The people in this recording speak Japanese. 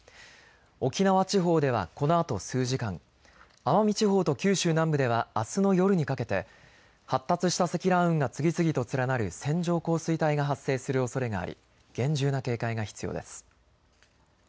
沖縄地方ではこのあと数時間、奄美地方と九州南部ではあすの夜にかけて発達した積乱雲が次々と連なる線状降水帯が発生するおそれがあり厳重な警戒が必要です。